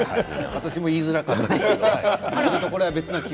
私も、言いづらかったんですけれども。